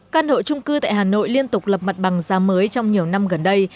căn hộ trung cư tại hà nội liên tục lập mặt bằng giá mới trong nhiều năm gần đây